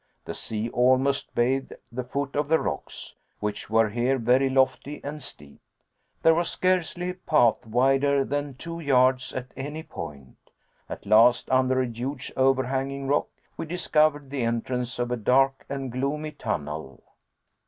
The sea almost bathed the foot of the rocks, which were here very lofty and steep. There was scarcely a path wider than two yards at any point. At last, under a huge over hanging rock, we discovered the entrance of a dark and gloomy tunnel.